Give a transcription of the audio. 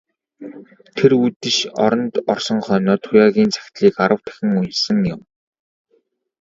Тэр үдэш оронд орсон хойноо Туяагийн захидлыг арав дахин уншсан юм.